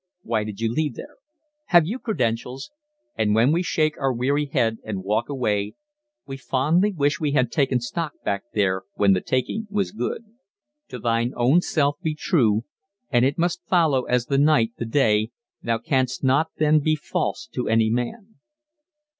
"Why did you leave there?" "Have you credentials?" and when we shake our weary head and walk away, we fondly wish we had "taken stock" back there when the "taking" was good. "To thine own self be true; and it must follow as the night the day, thou canst not then be false to any man."